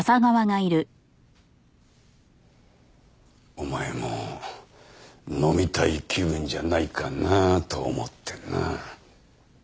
お前も飲みたい気分じゃないかなと思ってな。